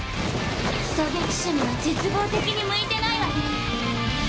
狙撃手には絶望的に向いてないわね。